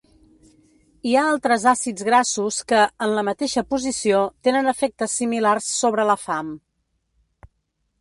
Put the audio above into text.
Hi ha altres àcids grassos que, en la mateixa posició, tenen efectes similars sobre la fam.